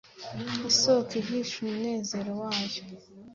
Isoko ihisha umunezero wayo,